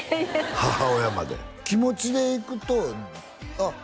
母親まで気持ちでいくとあっ